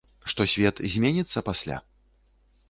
Што свет зменіцца пасля?